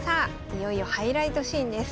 いよいよハイライトシーンです。